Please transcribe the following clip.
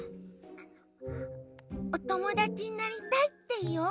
あのおともだちになりたいっていおう！